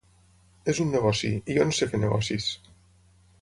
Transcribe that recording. És un negoci, i jo no ser fer negocis.